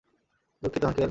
দুঃখিত, আঙ্কেল!